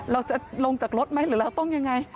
เราจะลงจากรถไหมหรือเราต้องยังไง